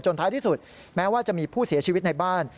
ท้ายที่สุดแม้ว่าจะมีผู้เสียชีวิตในบ้าน